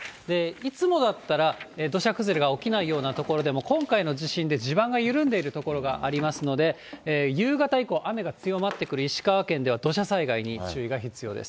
いつもだったら土砂崩れが起きないような所でも、今回の地震で地盤が緩んでいる所がありますので、夕方以降、雨が強まってくる石川県では、土砂崩れに注意が必要です。